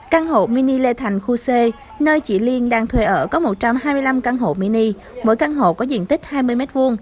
căn hộ mini lê thành khu c nơi chị liên đang thuê ở có một trăm hai mươi năm căn hộ mini mỗi căn hộ có diện tích hai mươi m hai